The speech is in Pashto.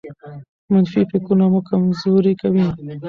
منفي فکرونه مو کمزوري کوي.